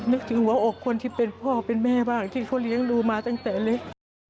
นึกถึงว่าเป็นพ่อเป็นแม่บ้างที่พ่อเลี้ยงลูมาตั้งแต่เล็ก